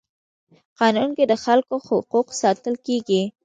قانون کي د خلکو حقوق ساتل کيږي.